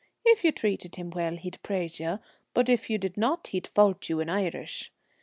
If you treated him well he'd praise you, but if you did not, he'd fault you in Irish.